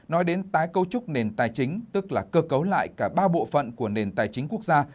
nói đến tái cấu trúc nền tài chính tức là cơ cấu lại cả ba bộ phận của nền tài chính quốc gia